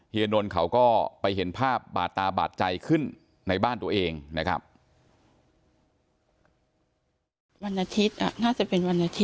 นนท์เขาก็ไปเห็นภาพบาดตาบาดใจขึ้นในบ้านตัวเองนะครับ